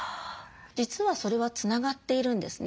実はそれはつながっているんですね。